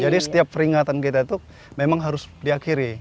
jadi setiap peringatan kita itu memang harus diakhiri